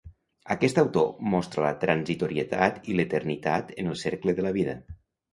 Aquest autor mostra la transitorietat i l'eternitat en el cercle de la vida.